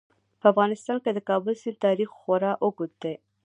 په افغانستان کې د کابل سیند تاریخ خورا اوږد دی.